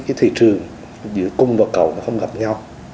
cái thị trường giữa cung và cầu nó không gặp nhau